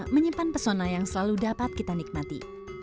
menyimpan pesona yang selalu dapat kita nikmati